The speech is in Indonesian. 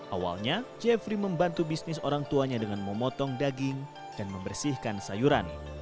awalnya jeffrey membantu bisnis orang tuanya dengan memotong daging dan membersihkan sayuran